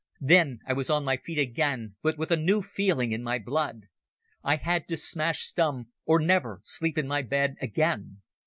Then I was on my feet again but with a new feeling in my blood. I had to smash Stumm or never sleep in my bed again.